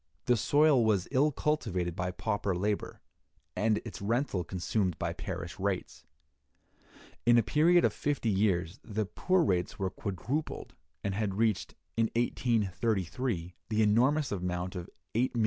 The soil was ill cultivated by pauper labor, and its rental consumed by parish rates. In a period of fifty years, the poor rates were quadrupled, and had reached, in 1833, the enormous amount of £8,600,000.